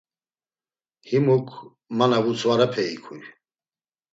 Himuk, ma na vutzvarepe ikuy.